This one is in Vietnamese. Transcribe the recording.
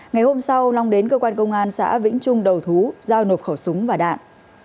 ngày hôm sau long đến cơ quan công an xã vĩnh trung đầu thú giao nộp khẩu súng và đạn